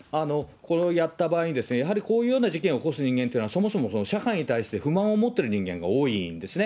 これをやった場合に、やはり、こういうような事件を起こす人間というのは、そもそも社会に対して不満を持っている人間が多いんですね。